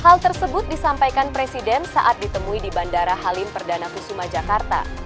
hal tersebut disampaikan presiden saat ditemui di bandara halim perdana kusuma jakarta